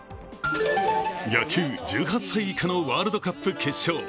野球１８歳以下のワールドカップ決勝。